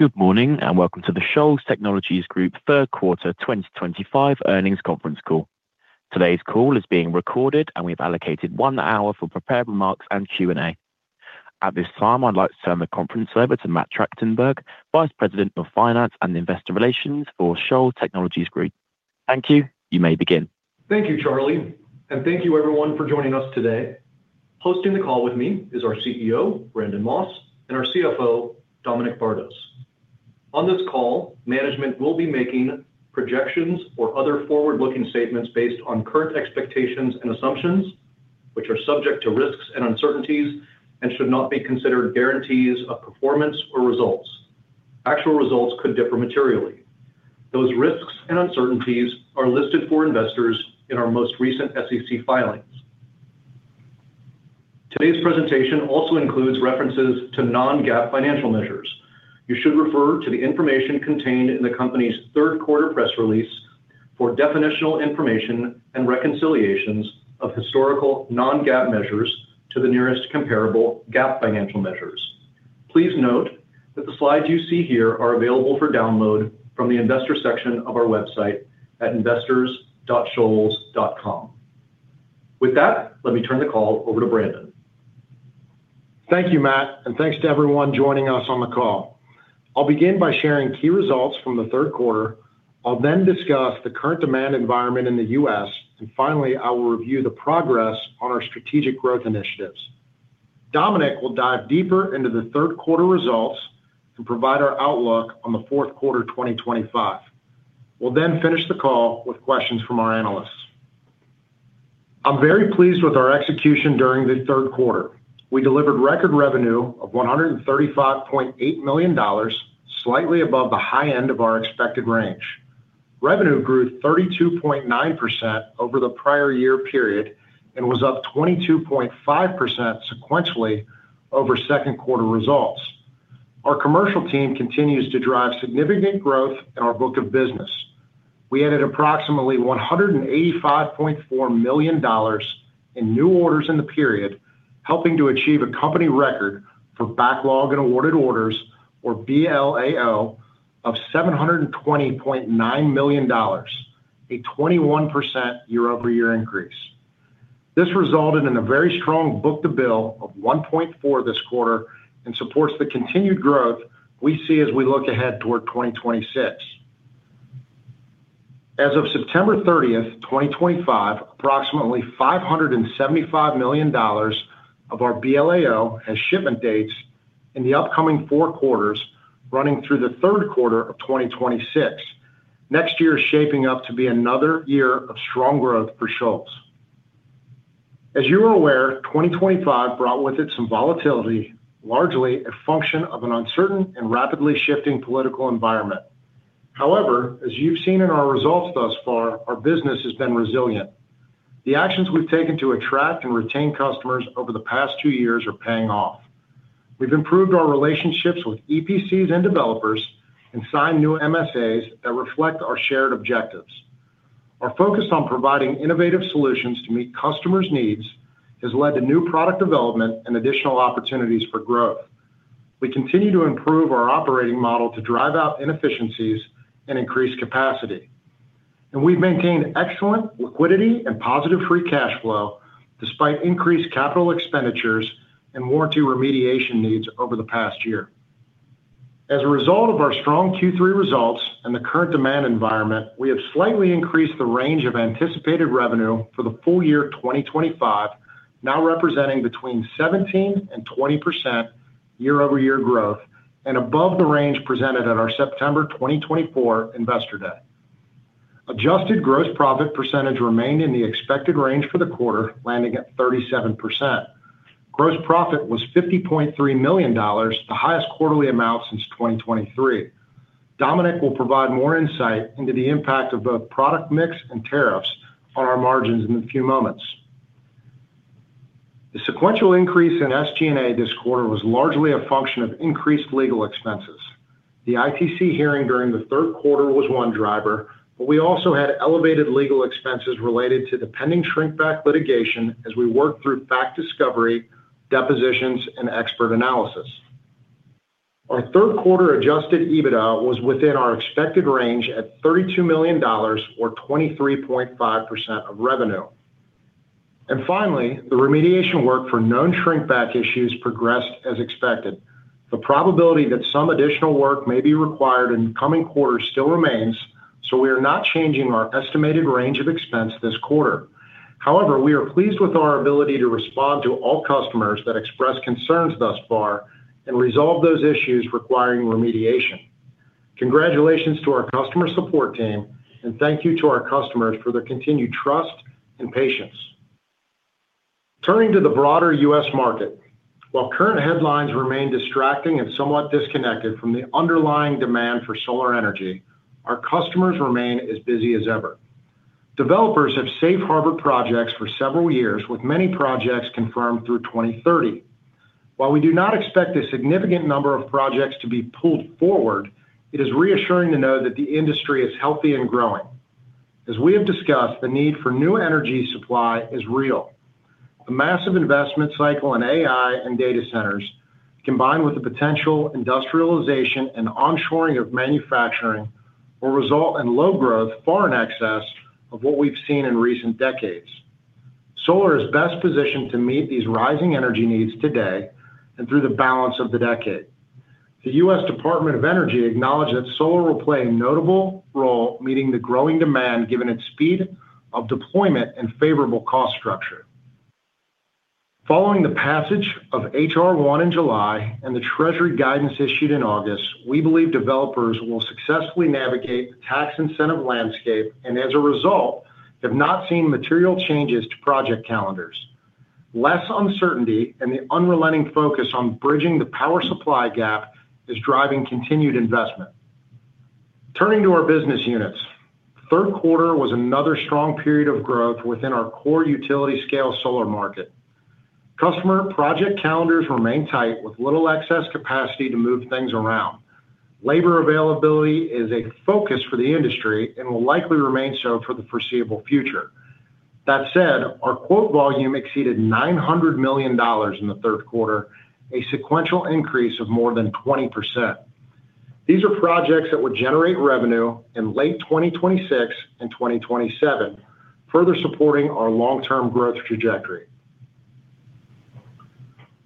Good morning and welcome to the Shoals Technologies Group Third Quarter 2025 earnings conference call. Today's call is being recorded, and we've allocated one hour for prepared remarks and Q&A. At this time, I'd like to turn the conference over to Matt Tractenberg, Vice President of Finance and Investor Relations for Shoals Technologies Group. Thank you. You may begin. Thank you, Charlie, and thank you, everyone, for joining us today. Hosting the call with me is our CEO, Brandon Moss, and our CFO, Dominic Bardos. On this call, management will be making projections or other forward-looking statements based on current expectations and assumptions, which are subject to risks and uncertainties and should not be considered guarantees of performance or results. Actual results could differ materially. Those risks and uncertainties are listed for investors in our most recent SEC filings. Today's presentation also includes references to non-GAAP financial measures. You should refer to the information contained in the company's Third Quarter Press Release for definitional information and reconciliations of historical non-GAAP measures to the nearest comparable GAAP financial measures. Please note that the slides you see here are available for download from the Investor section of our website at investors.shoals.com. With that, let me turn the call over to Brandon. Thank you, Matt, and thanks to everyone joining us on the call. I'll begin by sharing key results from the third quarter. I'll then discuss the current demand environment in the U.S., and finally, I will review the progress on our strategic growth initiatives. Dominic will dive deeper into the third quarter results and provide our outlook on the fourth quarter 2025. We'll then finish the call with questions from our analysts. I'm very pleased with our execution during the third quarter. We delivered record revenue of $135.8 million, slightly above the high end of our expected range. Revenue grew 32.9% over the prior year period and was up 22.5% sequentially over second quarter results. Our commercial team continues to drive significant growth in our book of business. We added approximately $185.4 million in new orders in the period, helping to achieve a company record for backlog and awarded orders, or BLAO, of $720.9 million, a 21% year-over-year increase. This resulted in a very strong book to bill of 1.4 this quarter and supports the continued growth we see as we look ahead toward 2026. As of September 30th, 2025, approximately $575 million of our BLAO has shipment dates in the upcoming four quarters running through the third quarter of 2026. Next year is shaping up to be another year of strong growth for Shoals. As you are aware, 2025 brought with it some volatility, largely a function of an uncertain and rapidly shifting political environment. However, as you've seen in our results thus far, our business has been resilient. The actions we've taken to attract and retain customers over the past two years are paying off. We've improved our relationships with EPCs and developers and signed new MSAs that reflect our shared objectives. Our focus on providing innovative solutions to meet customers' needs has led to new product development and additional opportunities for growth. We continue to improve our operating model to drive out inefficiencies and increase capacity. We have maintained excellent liquidity and positive free cash flow despite increased capital expenditures and warranty remediation needs over the past year. As a result of our strong Q3 results and the current demand environment, we have slightly increased the range of anticipated revenue for the full year 2025, now representing between 17%-20% year-over-year growth and above the range presented at our September 2024 Investor Day. Adjusted gross profit percentage remained in the expected range for the quarter, landing at 37%. Gross profit was $50.3 million, the highest quarterly amount since 2023. Dominic will provide more insight into the impact of both product mix and tariffs on our margins in a few moments. The sequential increase in SG&A this quarter was largely a function of increased legal expenses. The ITC hearing during the third quarter was one driver, but we also had elevated legal expenses related to the pending shrink back litigation as we worked through fact discovery, depositions, and expert analysis. Our third quarter adjusted EBITDA was within our expected range at $32 million, or 23.5% of revenue. Finally, the remediation work for known shrink back issues progressed as expected. The probability that some additional work may be required in the coming quarter still remains, so we are not changing our estimated range of expense this quarter. However, we are pleased with our ability to respond to all customers that expressed concerns thus far and resolve those issues requiring remediation. Congratulations to our customer support team, and thank you to our customers for their continued trust and patience. Turning to the broader U.S. market, while current headlines remain distracting and somewhat disconnected from the underlying demand for solar energy, our customers remain as busy as ever. Developers have safe harbored projects for several years, with many projects confirmed through 2030. While we do not expect a significant number of projects to be pulled forward, it is reassuring to know that the industry is healthy and growing. As we have discussed, the need for new energy supply is real. The massive investment cycle in AI and data centers, combined with the potential industrialization and onshoring of manufacturing, will result in load growth, far in excess of what we have seen in recent decades. Solar is best positioned to meet these rising energy needs today and through the balance of the decade. The U.S. Department of Energy acknowledged that solar will play a notable role meeting the growing demand given its speed of deployment and favorable cost structure. Following the passage of HR1 in July and the Treasury guidance issued in August, we believe developers will successfully navigate the tax incentive landscape and, as a result, have not seen material changes to project calendars. Less uncertainty and the unrelenting focus on bridging the power supply gap is driving continued investment. Turning to our business units, the third quarter was another strong period of growth within our core utility-scale solar market. Customer project calendars remain tight, with little excess capacity to move things around. Labor availability is a focus for the industry and will likely remain so for the foreseeable future. That said, our quote volume exceeded $900 million in the third quarter, a sequential increase of more than 20%. These are projects that would generate revenue in late 2026 and 2027, further supporting our long-term growth trajectory.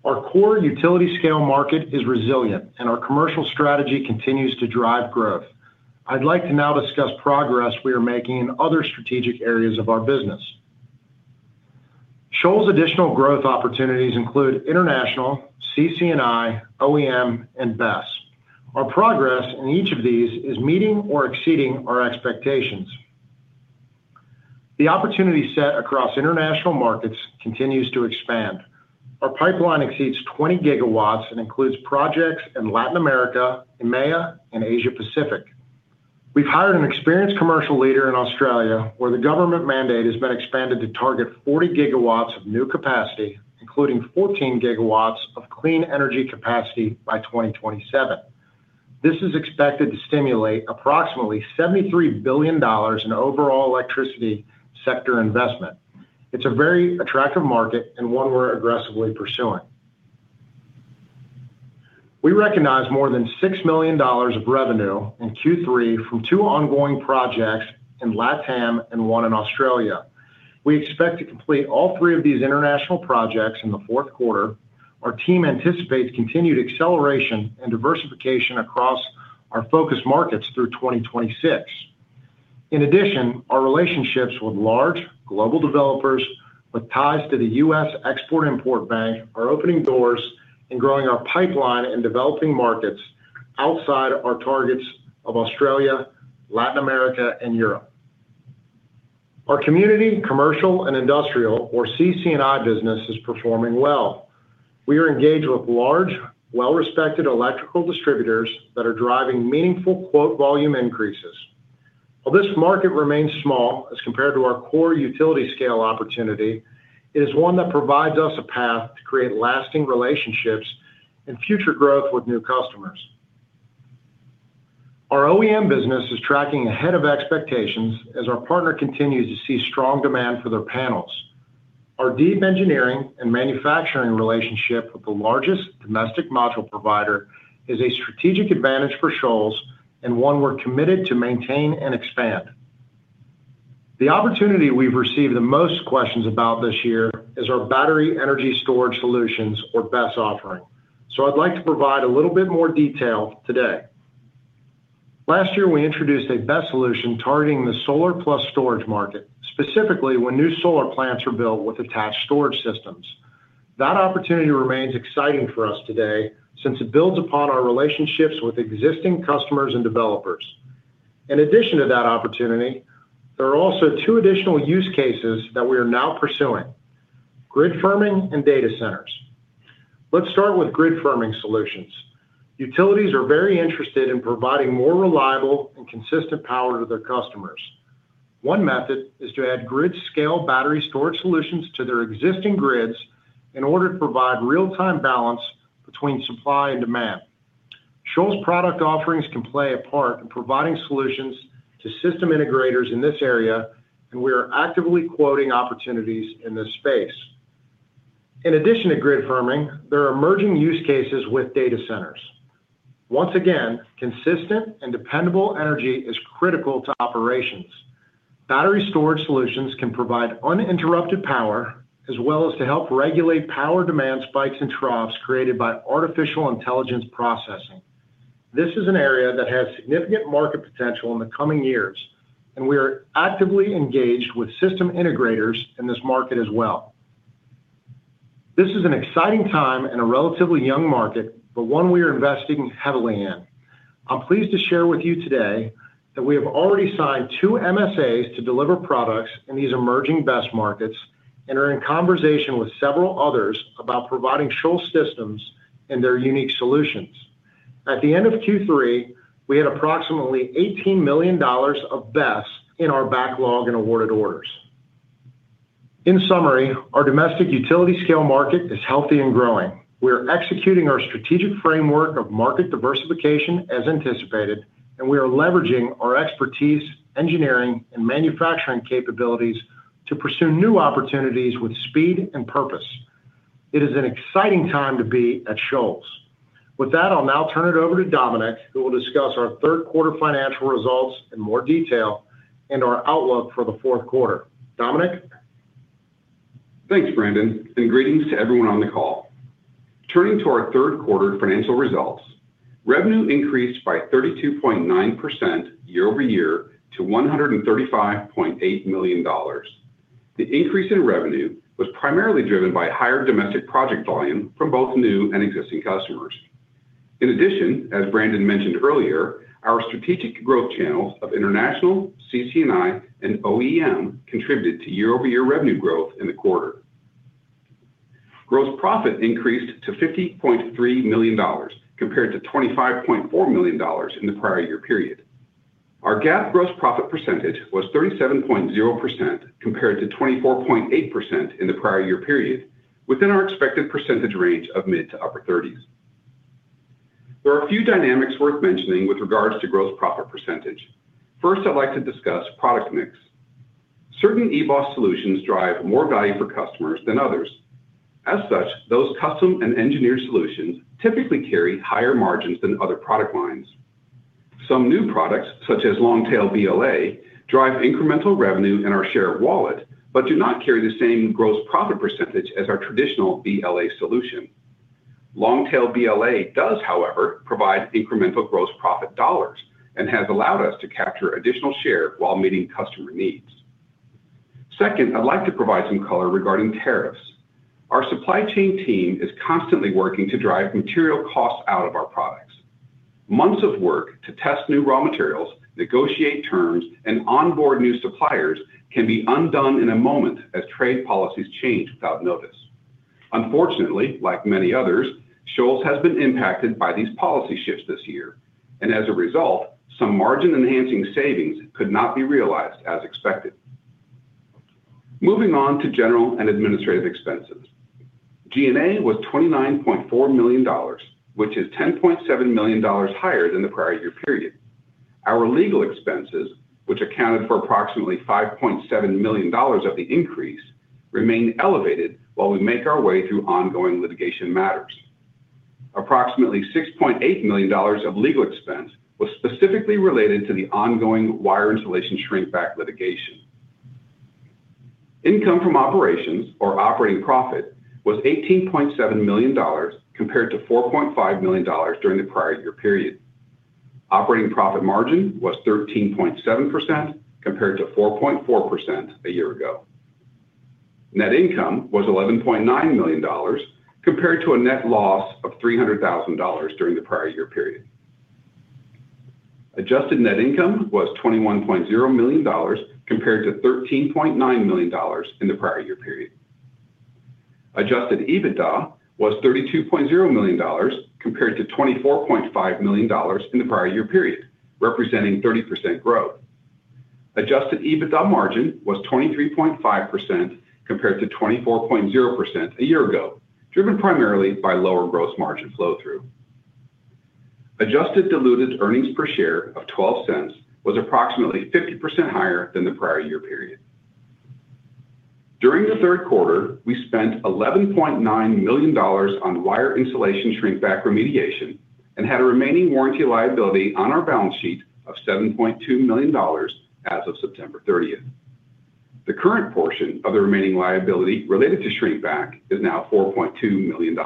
Our core utility-scale market is resilient, and our commercial strategy continues to drive growth. I'd like to now discuss progress we are making in other strategic areas of our business. Shoals' additional growth opportunities include international, CC&I, OEM, and BESS. Our progress in each of these is meeting or exceeding our expectations. The opportunity set across international markets continues to expand. Our pipeline exceeds 20 GW and includes projects in Latin America, EMEA, and Asia-Pacific. We've hired an experienced commercial leader in Australia, where the government mandate has been expanded to target 40 GW of new capacity, including 14 GW of clean energy capacity by 2027. This is expected to stimulate approximately $73 billion in overall electricity sector investment. It's a very attractive market and one we're aggressively pursuing. We recognized more than $6 million of revenue in Q3 from two ongoing projects in LATAM and one in Australia. We expect to complete all three of these international projects in the fourth quarter. Our team anticipates continued acceleration and diversification across our focus markets through 2026. In addition, our relationships with large global developers, with ties to the Export-Import Bank of the United States, are opening doors and growing our pipeline and developing markets outside our targets of Australia, Latin America, and Europe. Our community commercial and industrial, or CC&I business, is performing well. We are engaged with large, well-respected electrical distributors that are driving meaningful quote volume increases. While this market remains small as compared to our core utility-scale opportunity, it is one that provides us a path to create lasting relationships and future growth with new customers. Our OEM business is tracking ahead of expectations as our partner continues to see strong demand for their panels. Our deep engineering and manufacturing relationship with the largest domestic module provider is a strategic advantage for Shoals and one we're committed to maintain and expand. The opportunity we've received the most questions about this year is our Battery Energy Storage Solutions, or BESS offering. I'd like to provide a little bit more detail today. Last year, we introduced a BESS solution targeting the solar-plus storage market, specifically when new solar plants are built with attached storage systems. That opportunity remains exciting for us today since it builds upon our relationships with existing customers and developers. In addition to that opportunity, there are also two additional use cases that we are now pursuing: grid firming and data centers. Let's start with grid firming solutions. Utilities are very interested in providing more reliable and consistent power to their customers. One method is to add grid-scale battery storage solutions to their existing grids in order to provide real-time balance between supply and demand. Shoals' product offerings can play a part in providing solutions to system integrators in this area, and we are actively quoting opportunities in this space. In addition to grid firming, there are emerging use cases with data centers. Once again, consistent and dependable energy is critical to operations. Battery storage solutions can provide uninterrupted power as well as to help regulate power demand spikes and troughs created by artificial intelligence processing. This is an area that has significant market potential in the coming years, and we are actively engaged with system integrators in this market as well. This is an exciting time in a relatively young market, but one we are investing heavily in. I'm pleased to share with you today that we have already signed two MSAs to deliver products in these emerging BESS markets and are in conversation with several others about providing Shoals systems and their unique solutions. At the end of Q3, we had approximately $18 million of BESS in our backlog and awarded orders. In summary, our domestic utility-scale market is healthy and growing. We are executing our strategic framework of market diversification as anticipated, and we are leveraging our expertise, engineering, and manufacturing capabilities to pursue new opportunities with speed and purpose. It is an exciting time to be at Shoals. With that, I'll now turn it over to Dominic, who will discuss our third quarter financial results in more detail and our outlook for the fourth quarter. Dominic? Thanks, Brandon, and greetings to everyone on the call. Turning to our third quarter financial results, revenue increased by 32.9% year-over-year to $135.8 million. The increase in revenue was primarily driven by higher domestic project volume from both new and existing customers. In addition, as Brandon mentioned earlier, our strategic growth channels of international, CC&I, and OEM contributed to year-over-year revenue growth in the quarter. Gross profit increased to $50.3 million compared to $25.4 million in the prior year period. Our GAAP gross profit percentage was 37.0% compared to 24.8% in the prior year period, within our expected percentage range of mid to upper 30s. There are a few dynamics worth mentioning with regards to gross profit percentage. First, I'd like to discuss product mix. Certain EBOS solutions drive more value for customers than others. As such, those custom and engineered solutions typically carry higher margins than other product lines. Some new products, such as Long Tail BLA, drive incremental revenue in our share of wallet but do not carry the same gross profit percentage as our traditional BLA solution. Long Tail BLA does, however, provide incremental gross profit dollars and has allowed us to capture additional share while meeting customer needs. Second, I'd like to provide some color regarding tariffs. Our supply chain team is constantly working to drive material costs out of our products. Months of work to test new raw materials, negotiate terms, and onboard new suppliers can be undone in a moment as trade policies change without notice. Unfortunately, like many others, Shoals has been impacted by these policy shifts this year, and as a result, some margin-enhancing savings could not be realized as expected. Moving on to general and administrative expenses. G&A was $29.4 million, which is $10.7 million higher than the prior year period. Our legal expenses, which accounted for approximately $5.7 million of the increase, remain elevated while we make our way through ongoing litigation matters. Approximately $6.8 million of legal expense was specifically related to the ongoing wire insulation shrink back litigation. Income from operations, or operating profit, was $18.7 million compared to $4.5 million during the prior year period. Operating profit margin was 13.7% compared to 4.4% a year ago. Net income was $11.9 million compared to a net loss of $300,000 during the prior year period. Adjusted net income was $21.0 million compared to $13.9 million in the prior year period. Adjusted EBITDA was $32.0 million compared to $24.5 million in the prior year period, representing 30% growth. Adjusted EBITDA margin was 23.5% compared to 24.0% a year ago, driven primarily by lower gross margin flow-through. Adjusted diluted earnings per share of $0.12 was approximately 50% higher than the prior year period. During the third quarter, we spent $11.9 million on wire insulation shrink back remediation and had a remaining warranty liability on our balance sheet of $7.2 million as of September 30th. The current portion of the remaining liability related to shrink back is now $4.2 million.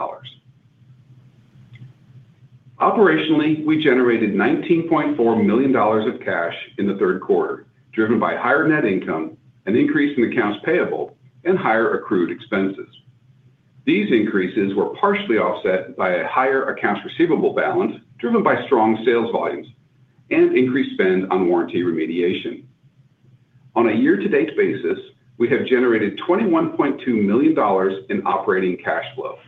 Operationally, we generated $19.4 million of cash in the third quarter, driven by higher net income, an increase in accounts payable, and higher accrued expenses. These increases were partially offset by a higher accounts receivable balance driven by strong sales volumes and increased spend on warranty remediation. On a year-to-date basis, we have generated $21.2 million in operating cash flow.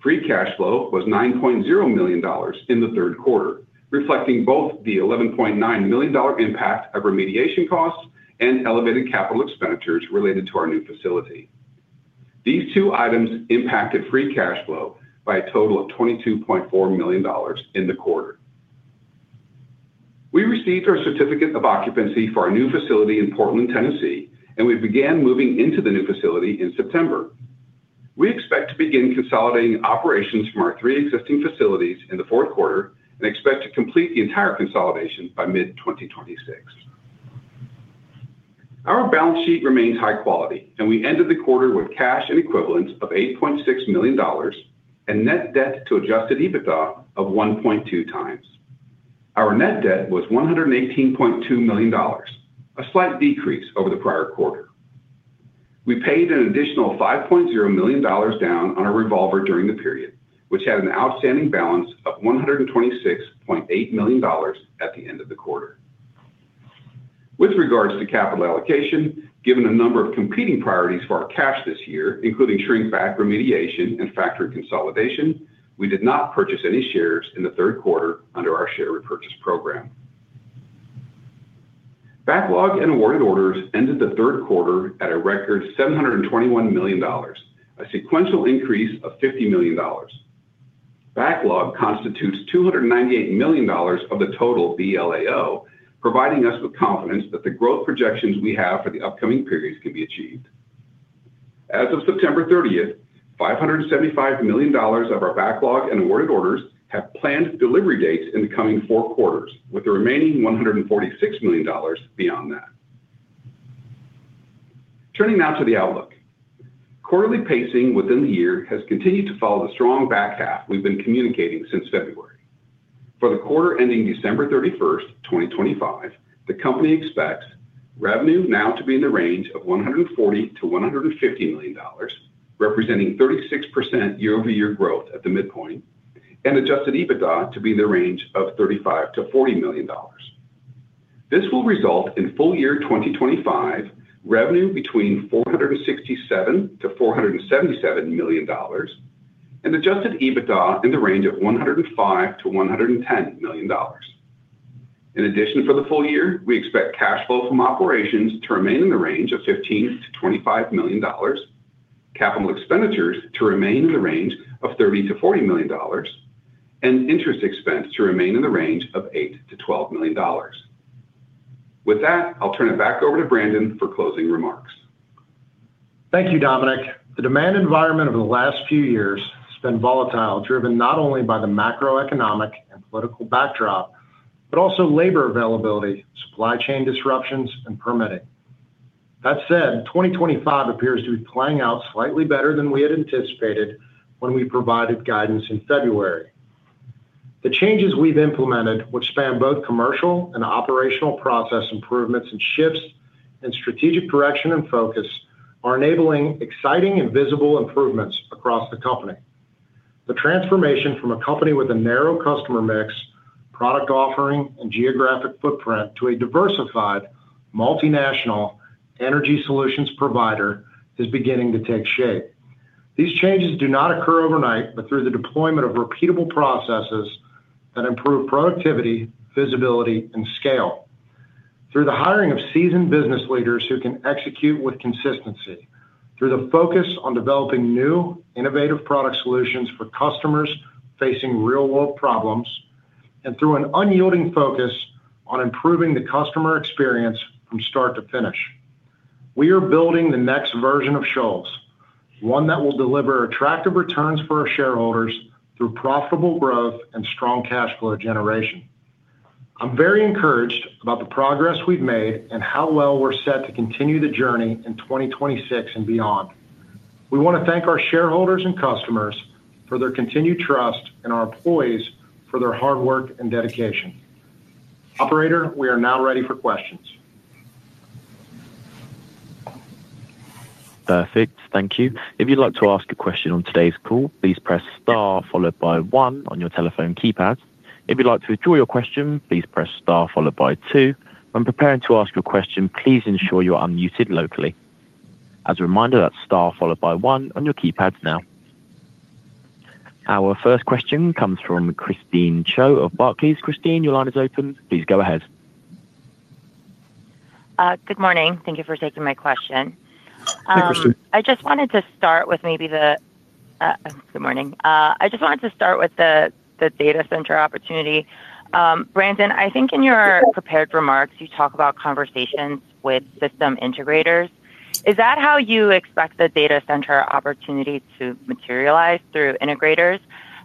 Free cash flow was $9.0 million in the third quarter, reflecting both the $11.9 million impact of remediation costs and elevated capital expenditures related to our new facility. These two items impacted free cash flow by a total of $22.4 million in the quarter. We received our certificate of occupancy for our new facility in Portland, Tennessee, and we began moving into the new facility in September. We expect to begin consolidating operations from our three existing facilities in the fourth quarter and expect to complete the entire consolidation by mid-2026. Our balance sheet remains high quality, and we ended the quarter with cash and equivalents of $8.6 million. Net debt to adjusted EBITDA of 1.2x. Our net debt was $118.2 million, a slight decrease over the prior quarter. We paid an additional $5.0 million down on a revolver during the period, which had an outstanding balance of $126.8 million at the end of the quarter. With regards to capital allocation, given a number of competing priorities for our cash this year, including shrink back, remediation, and factory consolidation, we did not purchase any shares in the third quarter under our share repurchase program. Backlog and awarded orders ended the third quarter at a record $721 million, a sequential increase of $50 million. Backlog constitutes $298 million of the total BLAO, providing us with confidence that the growth projections we have for the upcoming periods can be achieved. As of September 30th, $575 million of our backlog and awarded orders have planned delivery dates in the coming four quarters, with the remaining $146 million beyond that. Turning now to the outlook. Quarterly pacing within the year has continued to follow the strong back half we've been communicating since February. For the quarter ending December 31st, 2025, the company expects revenue now to be in the range of $140 million-$150 million, representing 36% year-over-year growth at the midpoint, and adjusted EBITDA to be in the range of $35 million-$40 million. This will result in full year 2025 revenue between $467 million-$477 million and adjusted EBITDA in the range of $105 million-$110 million. In addition, for the full year, we expect cash flow from operations to remain in the range of $15 million-$25 million, capital expenditures to remain in the range of $30 million-$40 million, and interest expense to remain in the range of $8 million-$12 million. With that, I'll turn it back over to Brandon for closing remarks. Thank you, Dominic. The demand environment over the last few years has been volatile, driven not only by the macroeconomic and political backdrop, but also labor availability, supply chain disruptions, and permitting. That said, 2025 appears to be playing out slightly better than we had anticipated when we provided guidance in February. The changes we've implemented, which span both commercial and operational process improvements and shifts in strategic direction and focus, are enabling exciting and visible improvements across the company. The transformation from a company with a narrow customer mix, product offering, and geographic footprint to a diversified multinational energy solutions provider is beginning to take shape. These changes do not occur overnight, but through the deployment of repeatable processes that improve productivity, visibility, and scale. Through the hiring of seasoned business leaders who can execute with consistency, through the focus on developing new, innovative product solutions for customers facing real-world problems, and through an unyielding focus on improving the customer experience from start to finish. We are building the next version of Shoals, one that will deliver attractive returns for our shareholders through profitable growth and strong cash flow generation. I'm very encouraged about the progress we've made and how well we're set to continue the journey in 2026 and beyond. We want to thank our shareholders and customers for their continued trust and our employees for their hard work and dedication. Operator, we are now ready for questions. Perfect. Thank you. If you'd like to ask a question on today's call, please press star followed by one on your telephone keypad. If you'd like to withdraw your question, please press star followed by two. When preparing to ask your question, please ensure you're unmuted locally. As a reminder, that's star followed by one on your keypad now. Our first question comes from Christine Cho of Barclays. Christine, your line is open. Please go ahead. Good morning. Thank you for taking my question. Thank you, Christine. I just wanted to start with maybe the— Good morning. I just wanted to start with the data center opportunity. Brandon, I think in your prepared remarks, you talk about conversations with system integrators. Is that how you expect the data center opportunity to materialize through integrators?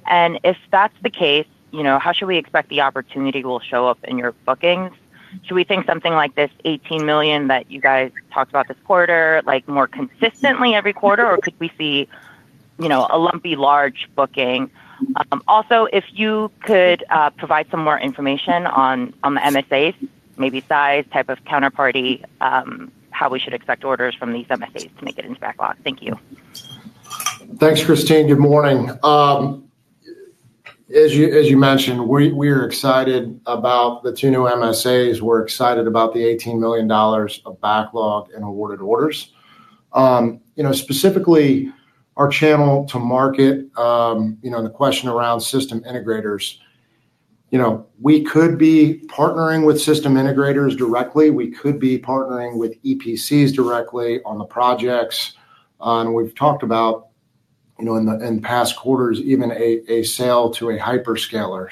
If that's the case, how should we expect the opportunity will show up in your bookings? Should we think something like this $18 million that you guys talked about this quarter, more consistently every quarter, or could we see a lumpy large booking? Also, if you could provide some more information on the MSAs, maybe size, type of counterparty, how we should expect orders from these MSAs to make it into backlog. Thank you. Thanks, Christine. Good morning. As you mentioned, we are excited about the two new MSAs. We're excited about the $18 million of backlog and awarded orders. Specifically, our channel to market. The question around system integrators. We could be partnering with system integrators directly. We could be partnering with EPCs directly on the projects. We've talked about in the past quarters, even a sale to a hyperscaler.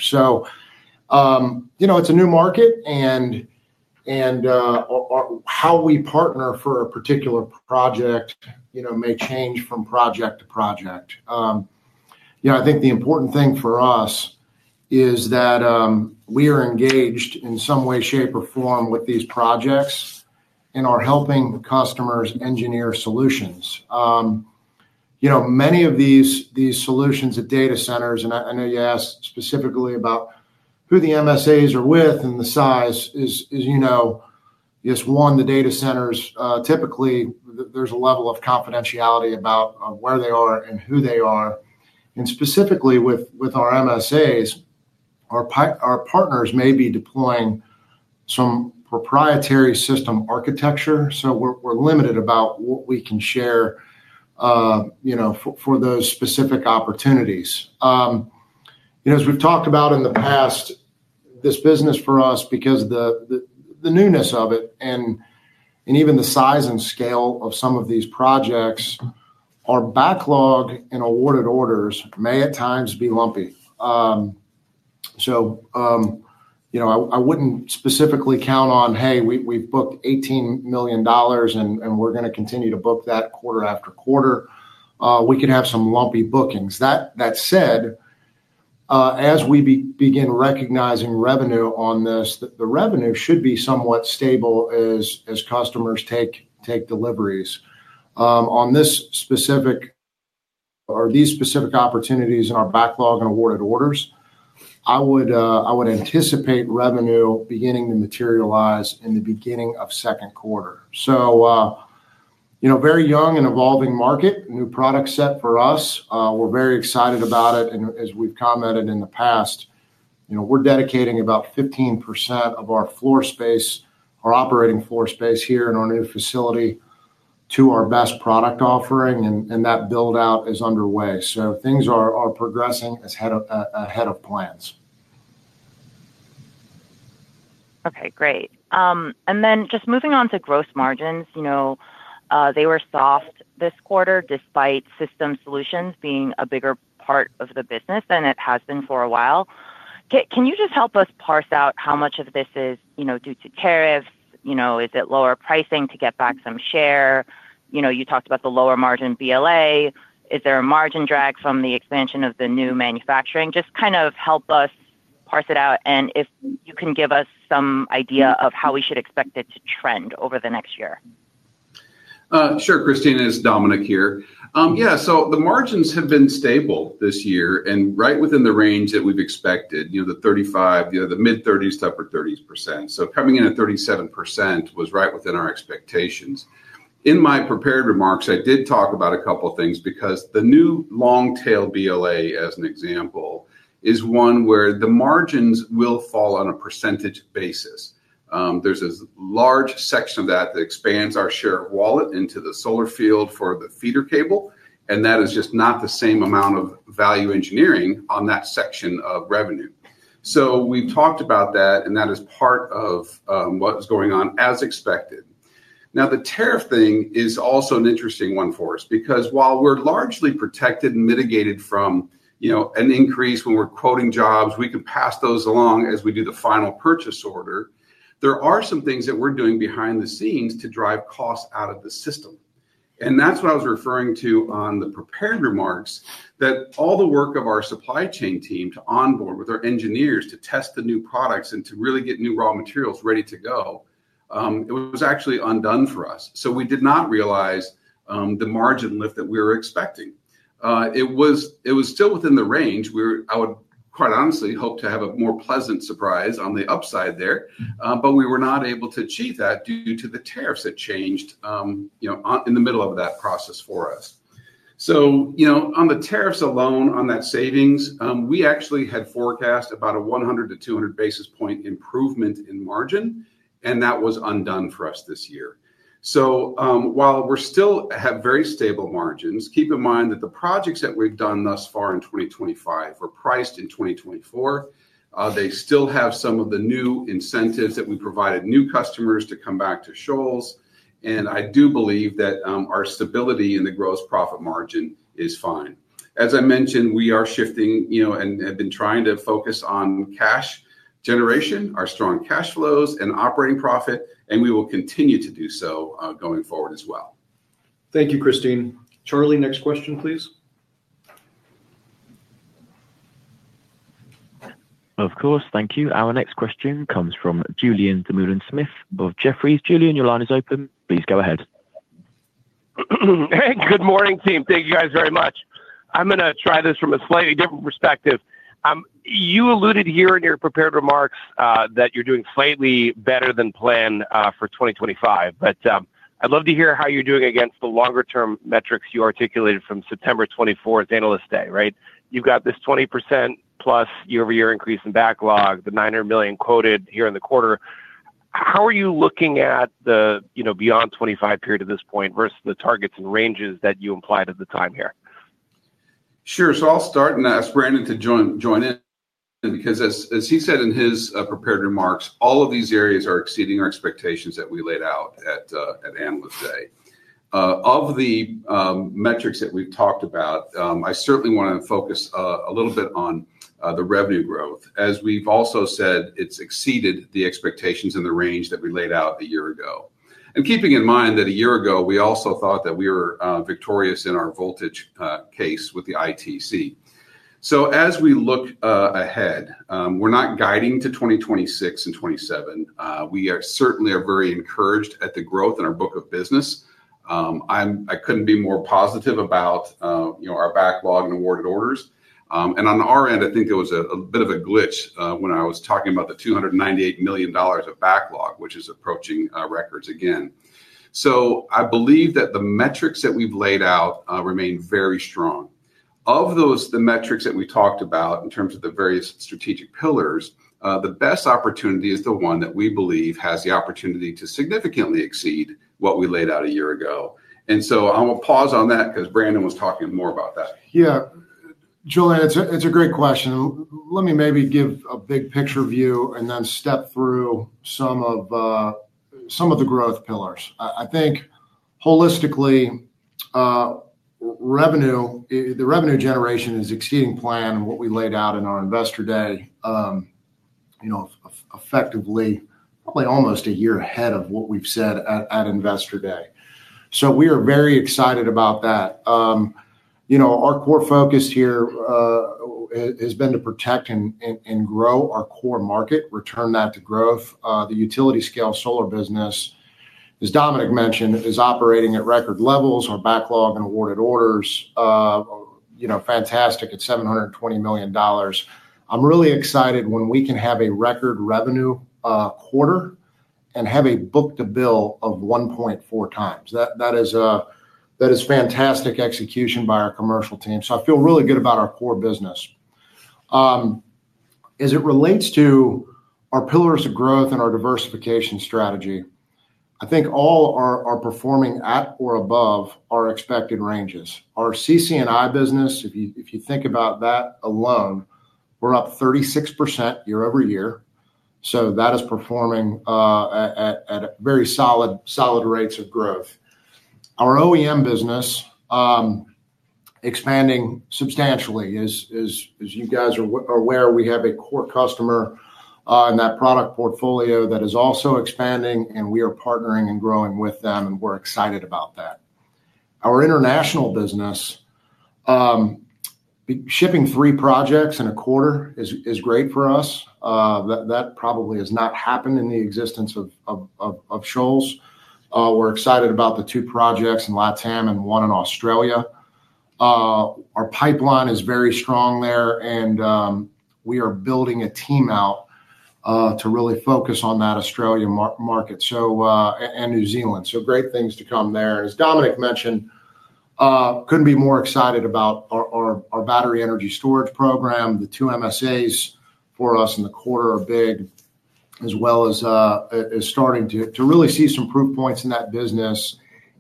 It's a new market, and how we partner for a particular project may change from project to project. I think the important thing for us is that we are engaged in some way, shape, or form with these projects and are helping customers engineer solutions. Many of these solutions at data centers—and I know you asked specifically about who the MSAs are with and the size—is one, the data centers typically, there's a level of confidentiality about where they are and who they are. Specifically with our MSAs, our partners may be deploying some proprietary system architecture, so we're limited about what we can share for those specific opportunities. As we've talked about in the past, this business for us, because of the newness of it and even the size and scale of some of these projects, our backlog and awarded orders may at times be lumpy. I wouldn't specifically count on, "Hey, we've booked $18 million, and we're going to continue to book that quarter after quarter." We could have some lumpy bookings. That said, as we begin recognizing revenue on this, the revenue should be somewhat stable as customers take deliveries. On this specific or these specific opportunities in our backlog and awarded orders, I would anticipate revenue beginning to materialize in the beginning of second quarter. Very young and evolving market, new product set for us. We're very excited about it. As we've commented in the past, we're dedicating about 15% of our floor space, our operating floor space here in our new facility, to our best product offering, and that build-out is underway. Things are progressing ahead of plans. Okay. Great. Just moving on to gross margins. They were soft this quarter despite system solutions being a bigger part of the business than it has been for a while. Can you just help us parse out how much of this is due to tariffs? Is it lower pricing to get back some share? You talked about the lower margin BLA. Is there a margin drag from the expansion of the new manufacturing? Just kind of help us parse it out. If you can give us some idea of how we should expect it to trend over the next year. Sure. Christine, it's Dominic here. Yeah. The margins have been stable this year and right within the range that we've expected, the mid-30% to upper 30%. Coming in at 37% was right within our expectations. In my prepared remarks, I did talk about a couple of things because the new Long Tail BLA, as an example, is one where the margins will fall on a percentage basis. There's a large section of that that expands our share of wallet into the solar field for the feeder cable, and that is just not the same amount of value engineering on that section of revenue. We've talked about that, and that is part of what's going on as expected. Now, the tariff thing is also an interesting one for us because while we're largely protected and mitigated from an increase when we're quoting jobs, we can pass those along as we do the final purchase order. There are some things that we're doing behind the scenes to drive costs out of the system. That's what I was referring to on the prepared remarks, that all the work of our supply chain team to onboard with our engineers to test the new products and to really get new raw materials ready to go, it was actually undone for us. We did not realize the margin lift that we were expecting. It was still within the range where I would quite honestly hope to have a more pleasant surprise on the upside there, but we were not able to achieve that due to the tariffs that changed in the middle of that process for us. On the tariffs alone, on that savings, we actually had forecast about a 100- 200 basis point improvement in margin, and that was undone for us this year. While we still have very stable margins, keep in mind that the projects that we've done thus far in 2025 were priced in 2024. They still have some of the new incentives that we provided new customers to come back to Shoals. I do believe that our stability in the gross profit margin is fine. As I mentioned, we are shifting and have been trying to focus on cash generation, our strong cash flows, and operating profit, and we will continue to do so going forward as well. Thank you, Christine. Charlie, next question, please. Of course. Thank you. Our next question comes from Julien Dumoulin-Smith of Jefferies. Julien, your line is open. Please go ahead. Good morning, team. Thank you guys very much. I'm going to try this from a slightly different perspective. You alluded here in your prepared remarks that you're doing slightly better than planned for 2025, but I'd love to hear how you're doing against the longer-term metrics you articulated from September 24th, analyst day, right? You've got this 20%+ year-over-year increase in backlog, the $900 million quoted here in the quarter. How are you looking at the beyond 2025 period at this point versus the targets and ranges that you implied at the time here? Sure. I'll start, and I ask Brandon to join in because, as he said in his prepared remarks, all of these areas are exceeding our expectations that we laid out at analyst day. Of the metrics that we've talked about, I certainly want to focus a little bit on the revenue growth. As we've also said, it's exceeded the expectations and the range that we laid out a year ago. Keeping in mind that a year ago, we also thought that we were victorious in our voltage case with the ITC. As we look ahead, we're not guiding to 2026 and 2027. We certainly are very encouraged at the growth in our book of business. I couldn't be more positive about our backlog and awarded orders. On our end, I think there was a bit of a glitch when I was talking about the $298 million of backlog, which is approaching records again. I believe that the metrics that we've laid out remain very strong. Of the metrics that we talked about in terms of the various strategic pillars, the best opportunity is the one that we believe has the opportunity to significantly exceed what we laid out a year ago. I will pause on that because Brandon was talking more about that. Yeah. Julien, it's a great question. Let me maybe give a big picture view and then step through some of the growth pillars. I think holistically, the revenue generation is exceeding plan and what we laid out in our investor day. Effectively probably almost a year ahead of what we've said at investor day. We are very excited about that. Our core focus here has been to protect and grow our core market, return that to growth. The utility scale solar business, as Dominic mentioned, is operating at record levels. Our backlog and awarded orders. Fantastic at $720 million. I'm really excited when we can have a record revenue quarter and have a book to bill of 1.4x. That is fantastic execution by our commercial team. I feel really good about our core business. As it relates to our pillars of growth and our diversification strategy, I think all are performing at or above our expected ranges. Our CC&I business, if you think about that alone, we're up 36% year-over-year. That is performing at very solid rates of growth. Our OEM business expanding substantially. As you guys are aware, we have a core customer in that product portfolio that is also expanding, and we are partnering and growing with them, and we're excited about that. Our international business. Shipping three projects in a quarter is great for us. That probably has not happened in the existence of Shoals. We're excited about the two projects in LATAM and one in Australia. Our pipeline is very strong there, and we are building a team out to really focus on that Australia market and New Zealand. Great things to come there. As Dominic mentioned, couldn't be more excited about our battery energy storage program. The two MSAs for us in the quarter are big, as well as starting to really see some proof points in that business.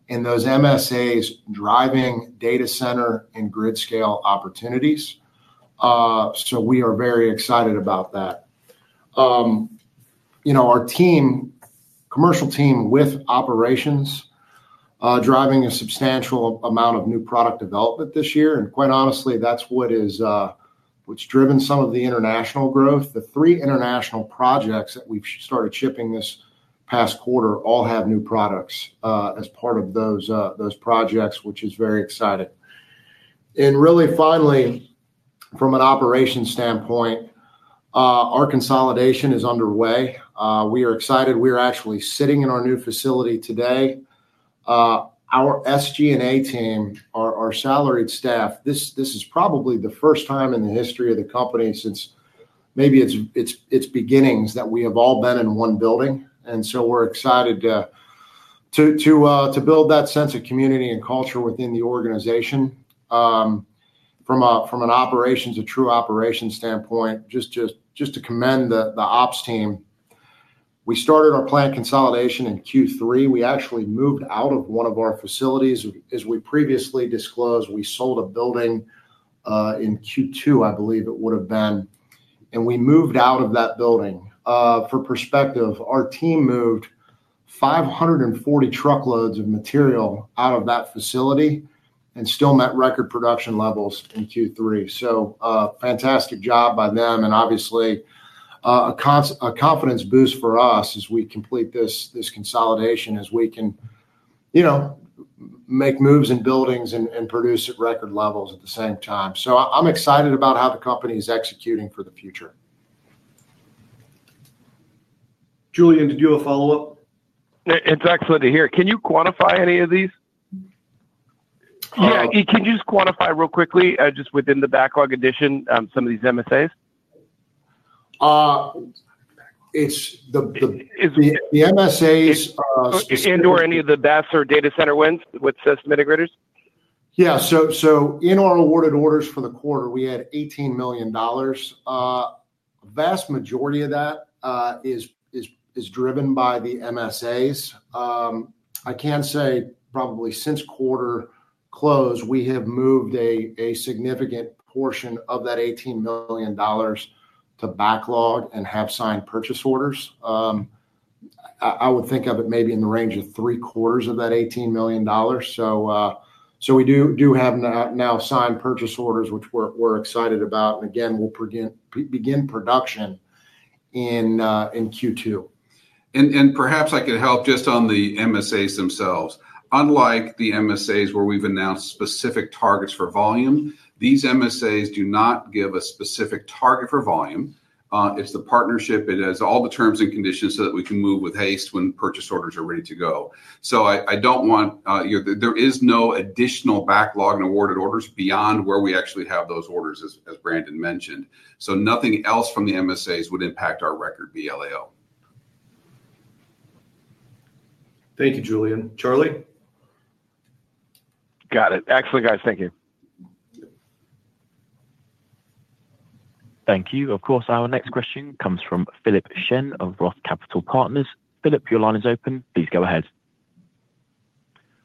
Those MSAs driving data center and grid scale opportunities. We are very excited about that. Our commercial team with operations driving a substantial amount of new product development this year. Quite honestly, that's what has driven some of the international growth. The three international projects that we've started shipping this past quarter all have new products as part of those projects, which is very exciting. Really, finally, from an operations standpoint, our consolidation is underway. We are excited. We are actually sitting in our new facility today. Our SG&A team, our salaried staff, this is probably the first time in the history of the company since maybe its beginnings that we have all been in one building. We're excited to build that sense of community and culture within the organization. From an operations, a true operations standpoint, just to commend the ops team. We started our plant consolidation in Q3. We actually moved out of one of our facilities. As we previously disclosed, we sold a building in Q2, I believe it would have been. We moved out of that building. For perspective, our team moved 540 truckloads of material out of that facility and still met record production levels in Q3. Fantastic job by them. Obviously, a confidence boost for us as we complete this consolidation, as we can make moves in buildings and produce at record levels at the same time. I'm excited about how the company is executing for the future. Julien, did you have a follow-up? It's excellent to hear. Can you quantify any of these? Yeah. Can you just quantify real quickly, just within the backlog addition, some of these MSAs? The MSAs. And/or any of the BESS or data center wins with system integrators? Yeah. So in our awarded orders for the quarter, we had $18 million. A vast majority of that is driven by the MSAs. I can say probably since quarter close, we have moved a significant portion of that $18 million to backlog and have signed purchase orders. I would think of it maybe in the range of three quarters of that $18 million. So we do have now signed purchase orders, which we're excited about. Again, we'll begin production in Q2. Perhaps I can help just on the MSAs themselves. Unlike the MSAs where we've announced specific targets for volume, these MSAs do not give a specific target for volume. It's the partnership. It has all the terms and conditions so that we can move with haste when purchase orders are ready to go. I do not want—there is no additional backlog and awarded orders beyond where we actually have those orders, as Brandon mentioned. Nothing else from the MSAs would impact our record BLAO. Thank you, Julien. Charlie? Got it. Excellent, guys. Thank you. Thank you. Of course, our next question comes from Philip Shen of Roth Capital Partners. Philip, your line is open. Please go ahead.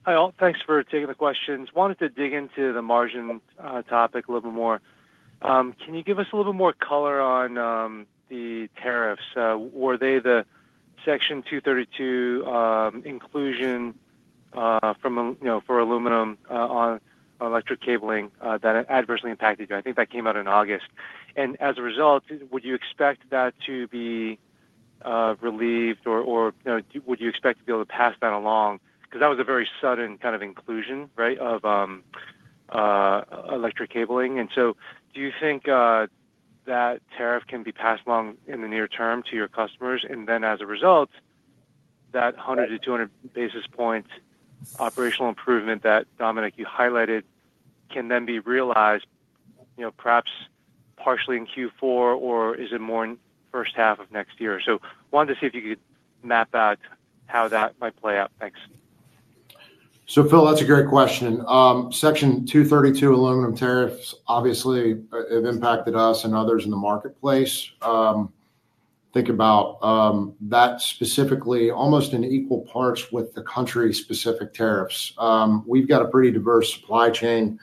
Hi, all. Thanks for taking the questions. Wanted to dig into the margin topic a little bit more. Can you give us a little bit more color on the tariffs? Were they the Section 232 inclusion for aluminum on electric cabling that adversely impacted you? I think that came out in August. As a result, would you expect that to be relieved, or would you expect to be able to pass that along? Because that was a very sudden kind of inclusion, right, of electric cabling. Do you think that tariff can be passed along in the near term to your customers? As a result, that 100-200 basis point operational improvement that Dominic, you highlighted, can then be realized, perhaps partially in Q4, or is it more in the first half of next year? Wanted to see if you could map out how that might play out. Thanks. Phil, that's a great question. Section 232 aluminum tariffs obviously have impacted us and others in the marketplace. Think about that specifically almost in equal parts with the country-specific tariffs. We've got a pretty diverse supply chain.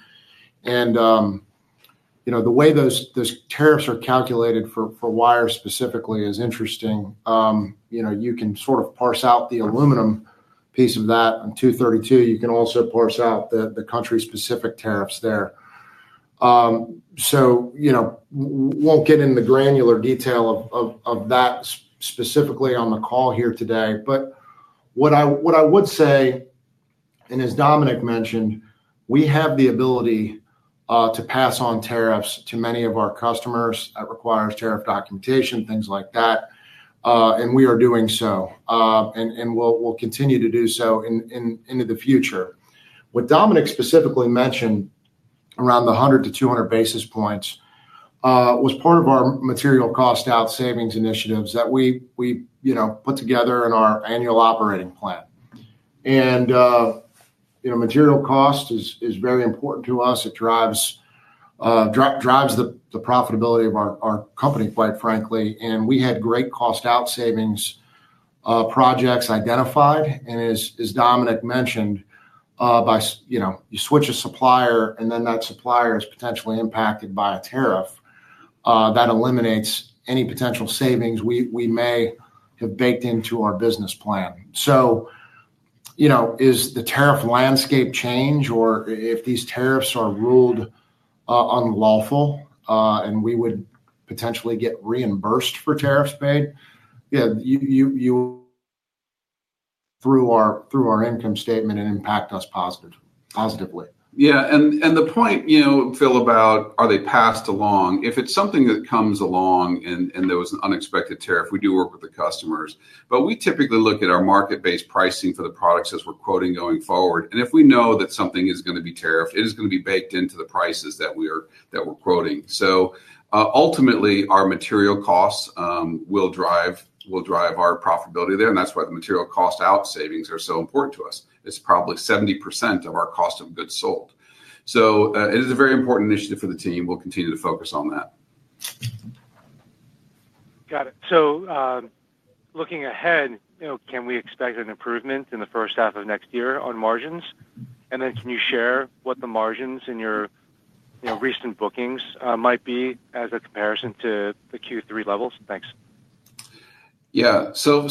The way those tariffs are calculated for wire specifically is interesting. You can sort of parse out the aluminum piece of that on 232. You can also parse out the country-specific tariffs there. I will not get into the granular detail of that specifically on the call here today. What I would say. As Dominic mentioned, we have the ability to pass on tariffs to many of our customers. That requires tariff documentation, things like that. We are doing so, and we will continue to do so into the future. What Dominic specifically mentioned around the 100-200 basis points was part of our material cost out savings initiatives that we put together in our annual operating plan. Material cost is very important to us. It drives the profitability of our company, quite frankly. We had great cost out savings projects identified. As Dominic mentioned, you switch a supplier, and then that supplier is potentially impacted by a tariff. That eliminates any potential savings we may have baked into our business plan. If the tariff landscape changes, or if these tariffs are ruled unlawful and we would potentially get reimbursed for tariffs paid, yeah, through our income statement and impact us positively, Yeah. The point, Phil, about are they passed along, if it is something that comes along and there was an unexpected tariff, we do work with the customers. We typically look at our market-based pricing for the products as we are quoting going forward. If we know that something is going to be tariffed, it is going to be baked into the prices that we are quoting. Ultimately, our material costs will drive our profitability there, and that is why the material cost out savings are so important to us. It is probably 70% of our cost of goods sold, so it is a very important initiative for the team. We will continue to focus on that. Got it. Looking ahead, can we expect an improvement in the first half of next year on margins? Then can you share what the margins in your recent bookings might be as a comparison to the Q3 levels? Thanks. Yeah. Phil,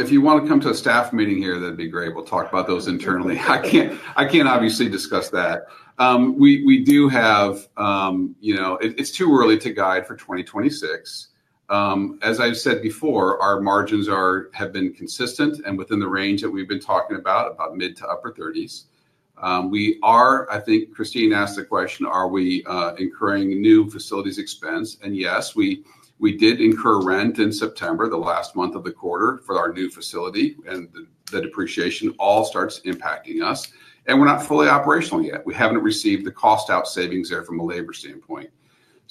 if you want to come to a staff meeting here, that would be great. We will talk about those internally. I cannot obviously discuss that. It is too early to guide for 2026. As I have said before, our margins have been consistent and within the range that we have been talking about, about mid to upper 30s. I think Christine asked the question, are we incurring new facilities expense? Yes, we did incur rent in September, the last month of the quarter, for our new facility. That depreciation all starts impacting us, and we are not fully operational yet. We have not received the cost out savings there from a labor standpoint.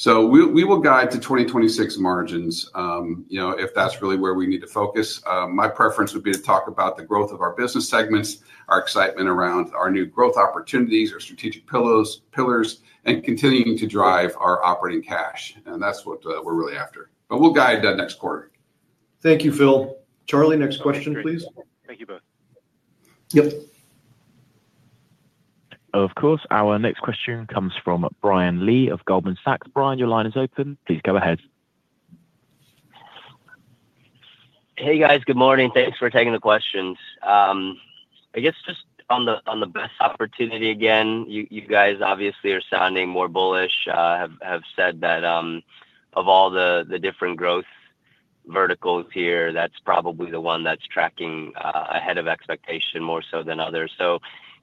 We will guide to 2026 margins if that is really where we need to focus. My preference would be to talk about the growth of our business segments, our excitement around our new growth opportunities, our strategic pillars, and continuing to drive our operating cash. That is what we are really after. We will guide next quarter. Thank you, Phil. Charlie, next question, please. Thank you both. Yep. Of course, our next question comes from Brian Lee of Goldman Sachs. Brian, your line is open. Please go ahead. Hey, guys. Good morning. Thanks for taking the questions. I guess just on the BESS opportunity again, you guys obviously are sounding more bullish, have said that. Of all the different growth verticals here, that's probably the one that's tracking ahead of expectation more so than others.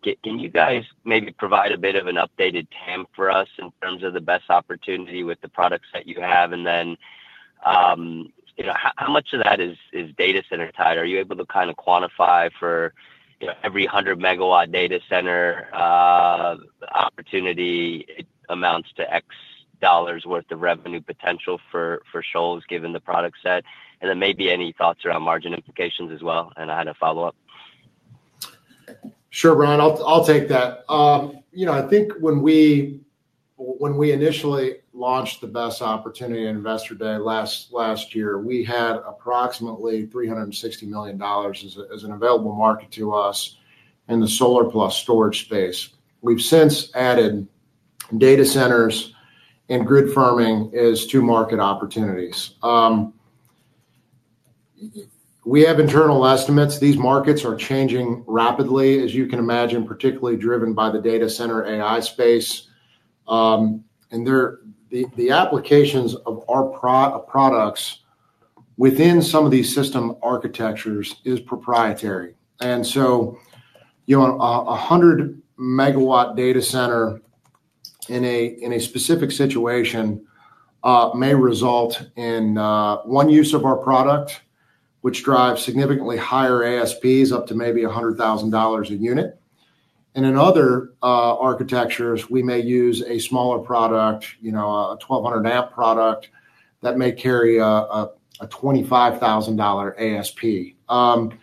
Can you guys maybe provide a bit of an updated TAM for us in terms of the BESS opportunity with the products that you have? And then how much of that is data center tied? Are you able to kind of quantify for every 100 MW data center, opportunity amounts to X dollars worth of revenue potential for Shoals given the product set? And then maybe any thoughts around margin implications as well and how to follow up? Sure, Brian. I'll take that. I think when we initially launched the BESS opportunity on Investor Day last year, we had approximately $360 million as an available market to us in the solar plus storage space. We've since added data centers and grid firming as two market opportunities. We have internal estimates. These markets are changing rapidly, as you can imagine, particularly driven by the data center AI space. The applications of our products within some of these system architectures is proprietary. A 100 MW data center in a specific situation may result in one use of our product, which drives significantly higher ASPs up to maybe $100,000 a unit. In other architectures, we may use a smaller product, a 1200 amp product that may carry a $25,000 ASP.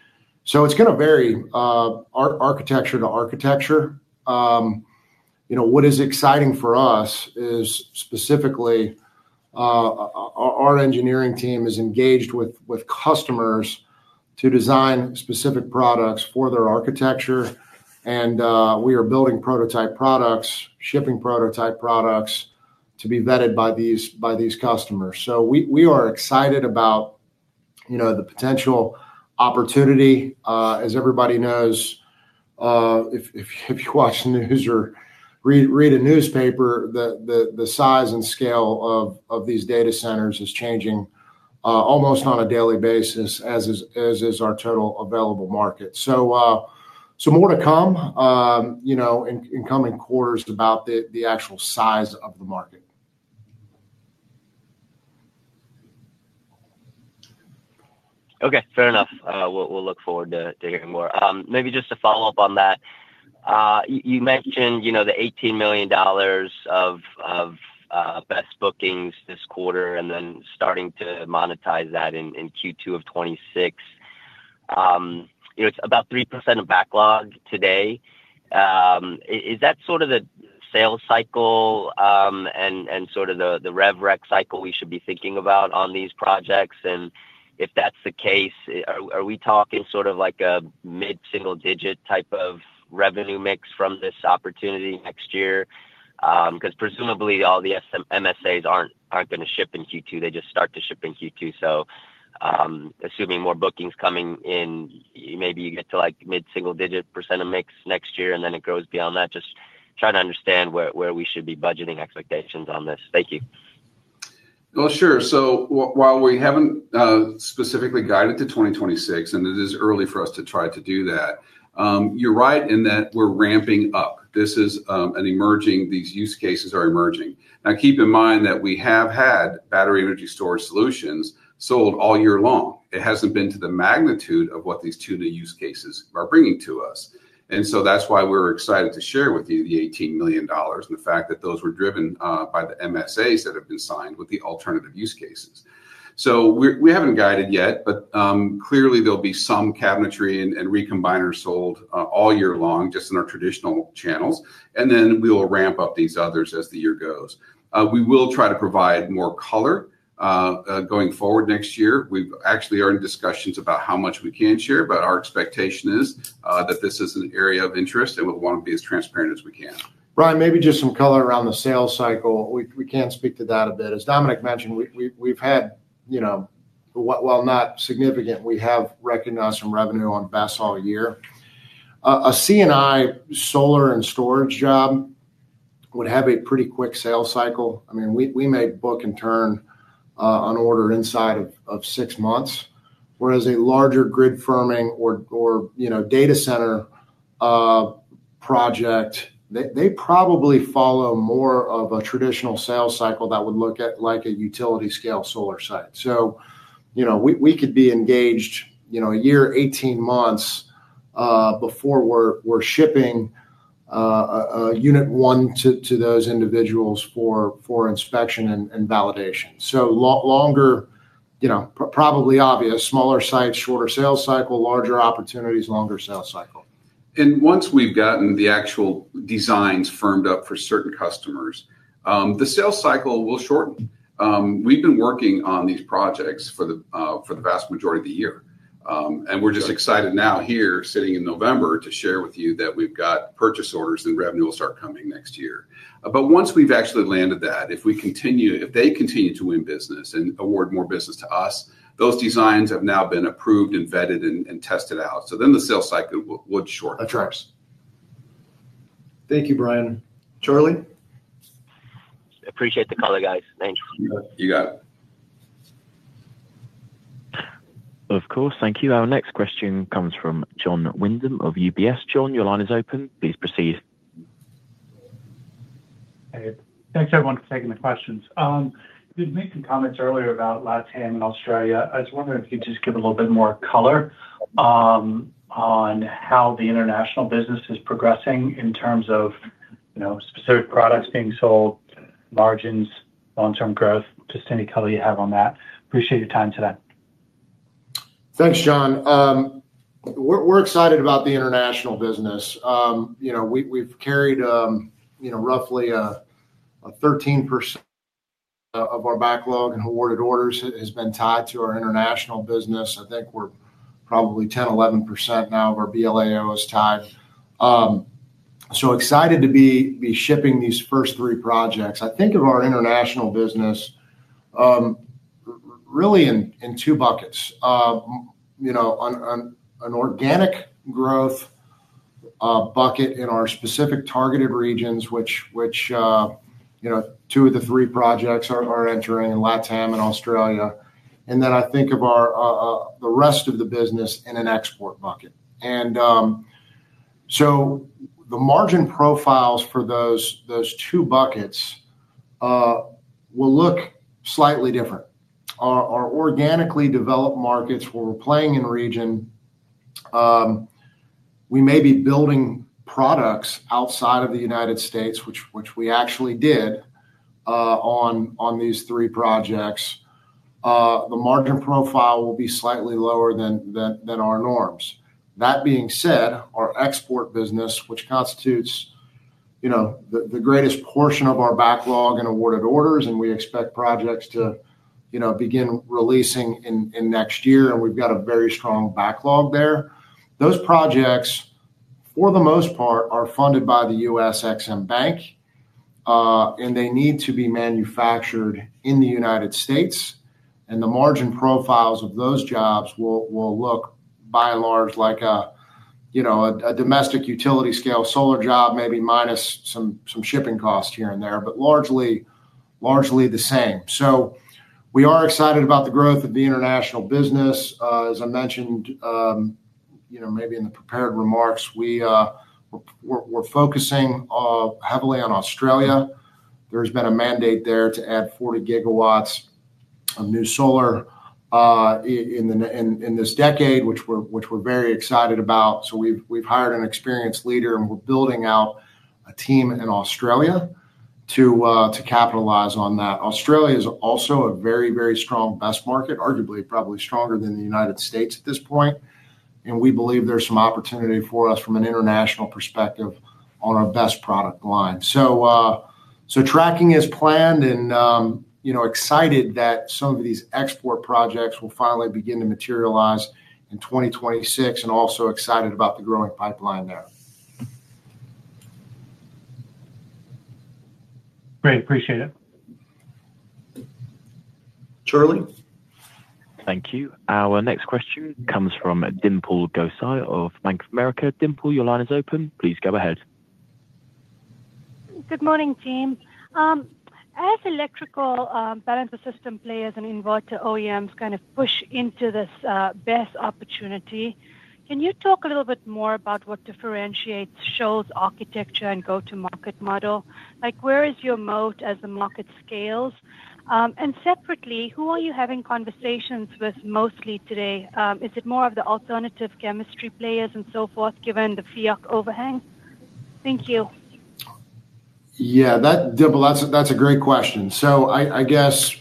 It's going to vary architecture to architecture. What is exciting for us is specifically our engineering team is engaged with customers to design specific products for their architecture. We are building prototype products, shipping prototype products to be vetted by these customers. We are excited about the potential opportunity. As everybody knows, if you watch the news or read a newspaper, the size and scale of these data centers is changing almost on a daily basis as is our total available market. More to come in coming quarters about the actual size of the market. Okay. Fair enough. We'll look forward to hearing more. Maybe just to follow up on that. You mentioned the $18 million of BESS bookings this quarter and then starting to monetize that in Q2 of 2026. It's about 3% of backlog today. Is that sort of the sales cycle and sort of the rev rec cycle we should be thinking about on these projects? If that's the case, are we talking sort of like a mid-single digit type of revenue mix from this opportunity next year? Because presumably, all the MSAs aren't going to ship in Q2. They just start to ship in Q2. Assuming more bookings coming in, maybe you get to like mid-single digit percent of mix next year, and then it grows beyond that. Just trying to understand where we should be budgeting expectations on this. Thank you. Sure. While we haven't specifically guided to 2026, and it is early for us to try to do that, you're right in that we're ramping up. These use cases are emerging. Now, keep in mind that we have had Battery Energy Storage Solutions sold all year long. It hasn't been to the magnitude of what these two new use cases are bringing to us. That's why we're excited to share with you the $18 million and the fact that those were driven by the MSAs that have been signed with the alternative use cases. We haven't guided yet, but clearly, there'll be some cabinetry and recombiners sold all year long just in our traditional channels. We will ramp up these others as the year goes. We will try to provide more color going forward next year. We've actually earned discussions about how much we can share, but our expectation is that this is an area of interest, and we want to be as transparent as we can. Brian, maybe just some color around the sales cycle. We can speak to that a bit. As Dominic mentioned, while not significant, we have recognized some revenue on BESS all year. A C&I solar and storage job would have a pretty quick sales cycle. I mean, we may book and turn an order inside of six months, whereas a larger grid firming or data center project, they probably follow more of a traditional sales cycle that would look at like a utility-scale solar site. We could be engaged a year, 18 months before we're shipping unit one to those individuals for inspection and validation. Longer, probably obvious, smaller sites, shorter sales cycle, larger opportunities, longer sales cycle. Once we've gotten the actual designs firmed up for certain customers, the sales cycle will shorten. We've been working on these projects for the vast majority of the year, and we're just excited now here, sitting in November, to share with you that we've got purchase orders and revenue will start coming next year. Once we've actually landed that, if they continue to win business and award more business to us, those designs have now been approved and vetted and tested out, so then the sales cycle would shorten. That tracks. Thank you, Brian. Charlie? Appreciate the call, guys. Thanks. You got it. Of course. Thank you. Our next question comes from John Windham of UBS. John, your line is open. Please proceed. Thanks, everyone, for taking the questions. You'd made some comments earlier about LATAM and Australia. I was wondering if you could just give a little bit more color on how the international business is progressing in terms of. Specific products being sold, margins, long-term growth, just any color you have on that. Appreciate your time today. Thanks, John. We're excited about the international business. We've carried roughly 13% of our backlog and awarded orders has been tied to our international business. I think we're probably 10-11% now of our BLAO is tied. Excited to be shipping these first three projects. I think of our international business really in two buckets: an organic growth bucket in our specific targeted regions, which two of the three projects are entering in LATAM and Australia, and then I think of the rest of the business in an export bucket. The margin profiles for those two buckets will look slightly different. Our organically developed markets, where we're playing in region, we may be building products outside of the United States, which we actually did on these three projects. The margin profile will be slightly lower than our norms. That being said, our export business, which constitutes the greatest portion of our backlog and awarded orders, and we expect projects to begin releasing in next year, and we've got a very strong backlog there, those projects, for the most part, are funded by the U.S. EXIM Bank. They need to be manufactured in the United States. The margin profiles of those jobs will look, by and large, like a domestic utility-scale solar job, maybe minus some shipping costs here and there, but largely the same. We are excited about the growth of the international business. As I mentioned, maybe in the prepared remarks, we were focusing heavily on Australia. There's been a mandate there to add 40 GW of new solar in this decade, which we're very excited about. We've hired an experienced leader, and we're building out a team in Australia to capitalize on that. Australia is also a very, very strong BESS market, arguably probably stronger than the United States at this point. We believe there's some opportunity for us from an international perspective on our BESS product line. Tracking is planned and excited that some of these export projects will finally begin to materialize in 2026 and also excited about the growing pipeline there. Great. Appreciate it. Charlie? Thank you. Our next question comes from Dimple Gosai of Bank of America. Dimple, your line is open. Please go ahead. Good morning, Team. As electrical balance of system players and inverter OEMs kind of push into this BESS opportunity, can you talk a little bit more about what differentiates Shoals architecture and go-to-market model? Where is your moat as the market scales? Separately, who are you having conversations with mostly today? Is it more of the alternative chemistry players and so forth, given the fiat overhang? Thank you. Yeah. That's a great question. I guess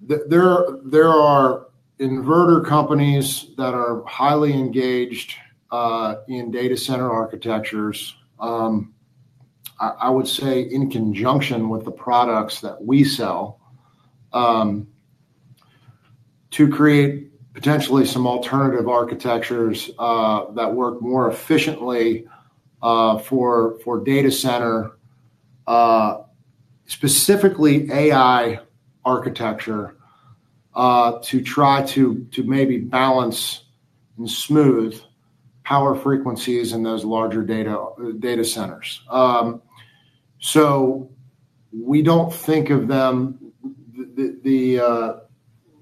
there are inverter companies that are highly engaged in data center architectures. I would say in conjunction with the products that we sell. To create potentially some alternative architectures that work more efficiently. For data center. Specifically AI architecture. To try to maybe balance and smooth power frequencies in those larger data centers. We do not think of them, we do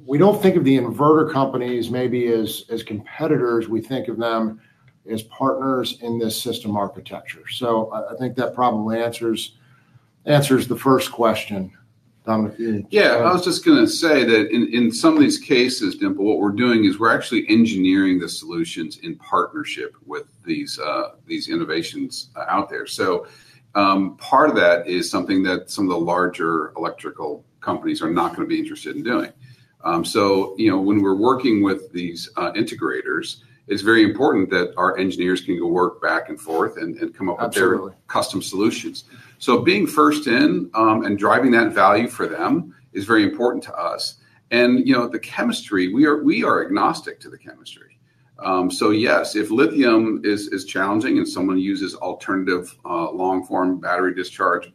not think of the inverter companies maybe as competitors. We think of them as partners in this system architecture. I think that probably answers the first question. Yeah. I was just going to say that in some of these cases, Dimple, what we are doing is we are actually engineering the solutions in partnership with these innovations out there. Part of that is something that some of the larger electrical companies are not going to be interested in doing. When we are working with these integrators, it is very important that our engineers can go work back and forth and come up with their custom solutions. Being first in and driving that value for them is very important to us. We are agnostic to the chemistry. Yes, if lithium is challenging and someone uses alternative long-form battery discharge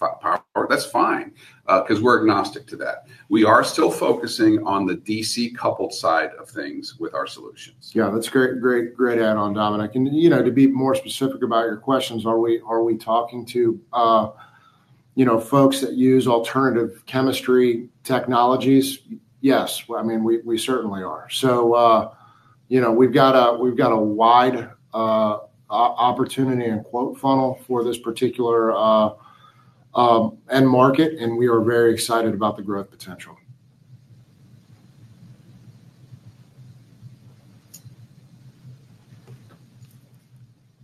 power, that is fine because we are agnostic to that. We are still focusing on the DC coupled side of things with our solutions. Yeah. That is a great add-on, Dominic. To be more specific about your questions, are we talking to folks that use alternative chemistry technologies? Yes. I mean, we certainly are. We have got a wide opportunity and quote funnel for this particular end market, and we are very excited about the growth potential.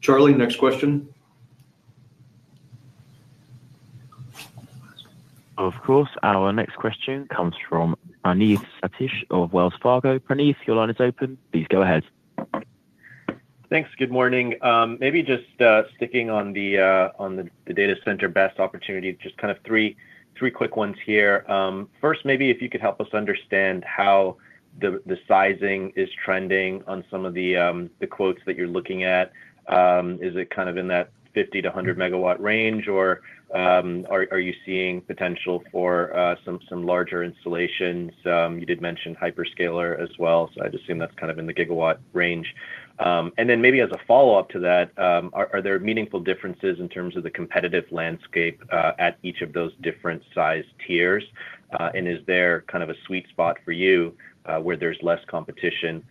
Charlie, next question. Of course. Our next question comes from Praneeth Satish of Wells Fargo. Praneeth, your line is open. Please go ahead. Thanks. Good morning. Maybe just sticking on the data center BESS opportunity, just kind of three quick ones here. First, maybe if you could help us understand how the sizing is trending on some of the quotes that you are looking at. Is it kind of in that 50-100 MW range, or are you seeing potential for some larger installations? You did mention hyperscaler as well, so I would assume that is kind of in the gigawatt range. Maybe as a follow-up to that, are there meaningful differences in terms of the competitive landscape at each of those different size tiers? Is there kind of a sweet spot for you where there is less competition?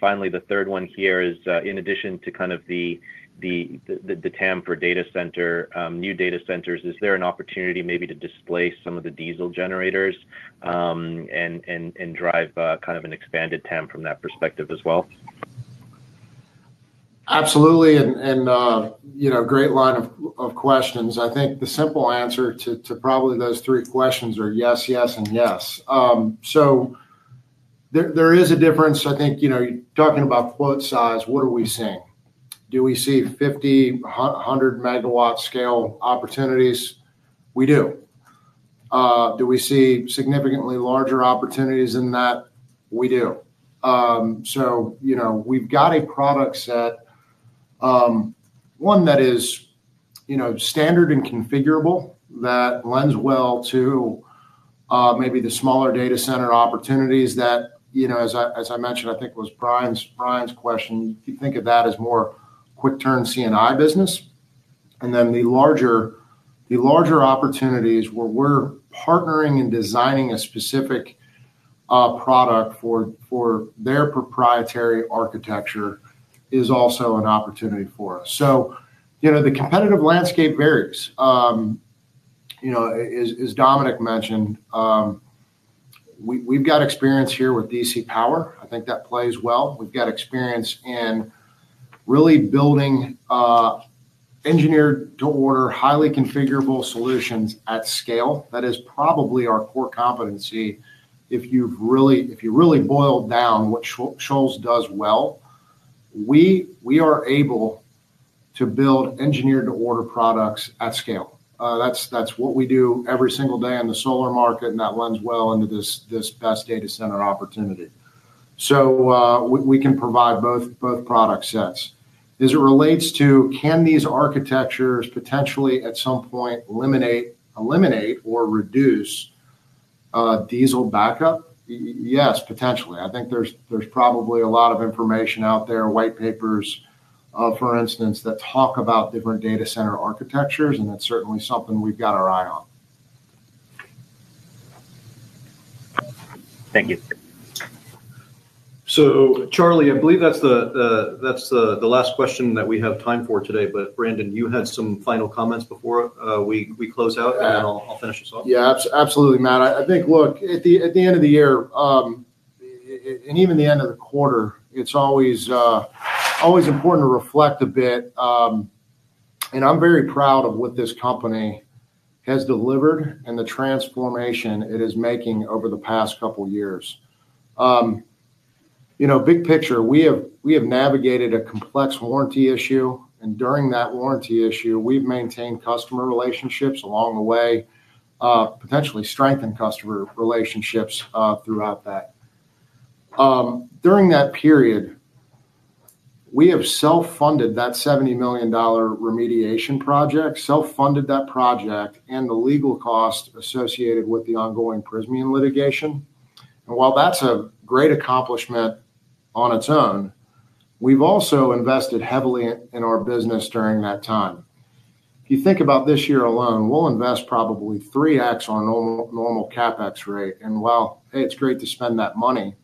Finally, the third one here is, in addition to the TAM for data center, new data centers, is there an opportunity maybe to displace some of the diesel generators and drive an expanded TAM from that perspective as well? Absolutely. Great line of questions. I think the simple answer to probably those three questions are yes, yes, and yes. There is a difference. I think talking about quote size, what are we seeing? Do we see 50, 100 MW scale opportunities? We do. Do we see significantly larger opportunities than that? We do. We have got a product set. One that is standard and configurable that lends well to maybe the smaller data center opportunities that, as I mentioned, I think was Brian's question, you think of that as more quick-turn C&I business. Then the larger opportunities where we're partnering and designing a specific product for their proprietary architecture is also an opportunity for us. The competitive landscape varies. As Dominic mentioned, we've got experience here with DC Power. I think that plays well. We've got experience in really building engineered-to-order, highly configurable solutions at scale. That is probably our core competency. If you really boil down what Shoals does well, we are able to build engineered-to-order products at scale. That's what we do every single day in the solar market, and that lends well into this BESS data center opportunity. We can provide both product sets. As it relates to, can these architectures potentially at some point eliminate or reduce diesel backup? Yes, potentially. I think there's probably a lot of information out there, white papers, for instance, that talk about different data center architectures, and that's certainly something we've got our eye on. Thank you. Charlie, I believe that's the last question that we have time for today. Brandon, you had some final comments before we close out, and then I'll finish us off. Yeah. Absolutely, Matt. I think, look, at the end of the year and even the end of the quarter, it's always important to reflect a bit. I'm very proud of what this company has delivered and the transformation it is making over the past couple of years. Big picture, we have navigated a complex warranty issue, and during that warranty issue, we've maintained customer relationships along the way. Potentially strengthened customer relationships throughout that. During that period, we have self-funded that $70 million remediation project, self-funded that project and the legal cost associated with the ongoing Prysmian litigation. While that's a great accomplishment on its own, we've also invested heavily in our business during that time. If you think about this year alone, we'll invest probably 3X on a normal CapEx rate. While it's great to spend that money,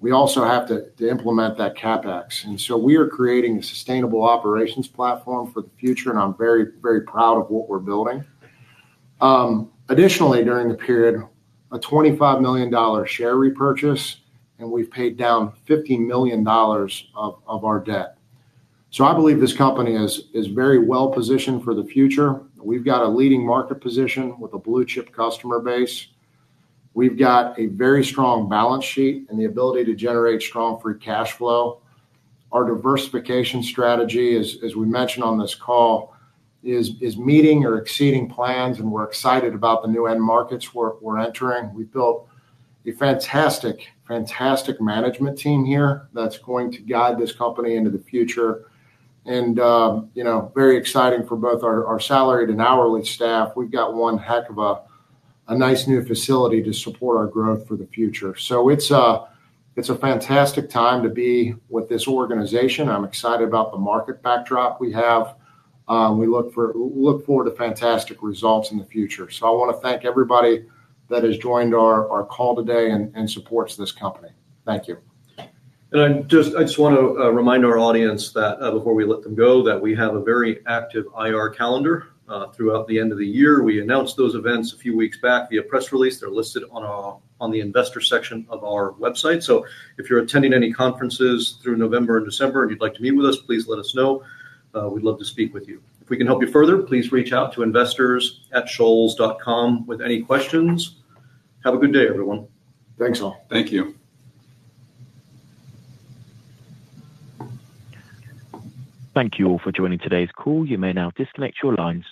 we also have to implement that CapEx. We are creating a sustainable operations platform for the future, and I'm very, very proud of what we're building. Additionally, during the period, a $25 million share repurchase, and we've paid down $50 million of our debt. I believe this company is very well positioned for the future. We've got a leading market position with a blue-chip customer base. We've got a very strong balance sheet and the ability to generate strong free cash flow. Our diversification strategy, as we mentioned on this call, is meeting or exceeding plans, and we're excited about the new end markets we're entering. We've built a fantastic management team here that's going to guide this company into the future. Very exciting for both our salaried and hourly staff. We've got one heck of a nice new facility to support our growth for the future. It is a fantastic time to be with this organization. I'm excited about the market backdrop we have. We look forward to fantastic results in the future. I want to thank everybody that has joined our call today and supports this company. Thank you. I just want to remind our audience before we let them go that we have a very active IR calendar throughout the end of the year. We announced those events a few weeks back via press release. They are listed on the investor section of our website. If you are attending any conferences through November and December and you would like to meet with us, please let us know. We would love to speak with you. If we can help you further, please reach out to investors@shoals.com with any questions. Have a good day, everyone. Thanks, all. Thank you. Thank you all for joining today's call. You may now disconnect your lines.